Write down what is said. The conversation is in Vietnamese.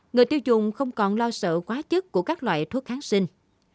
người tiêu dùng không còn lo sợ quá chất của các loại thuốc kháng sinh